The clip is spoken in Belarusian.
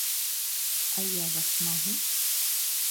А я вас магу?